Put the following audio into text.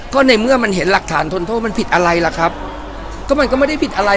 ก็ในเมื่อมันเห็นหลักฐานทนโทษมันผิดอะไรล่ะครับก็มันก็ไม่ได้ผิดอะไร